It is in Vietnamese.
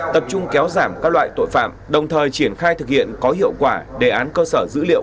tập trung kéo giảm các loại tội phạm đồng thời triển khai thực hiện có hiệu quả đề án cơ sở dữ liệu